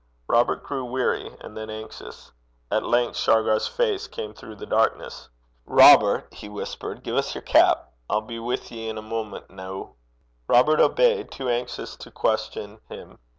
Robert grew weary, and then anxious. At length Shargar's face came through the darkness. 'Robert,' he whispered, 'gie 's yer bonnet. I'll be wi' ye in a moment noo.' Robert obeyed, too anxious to question him.